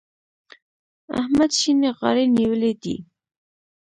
احمد شينې غاړې نيولی دی.